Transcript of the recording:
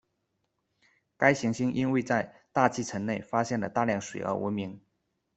该行星因为在大气层内发现大量水而闻名。